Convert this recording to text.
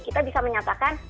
kita bisa menyatakan